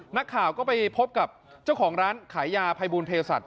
นักข่าวก็ไปพบกับเจ้าของร้านขายยาภัยบูลเพศัตว